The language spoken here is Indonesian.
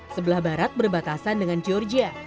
sebelah barat berbatasan dengan georgia